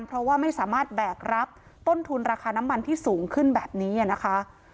เพราะว่าไม่สามารถแบกรับต้นทุนราคาน้ำมันที่สูงขึ้นแบบนี้นะคะ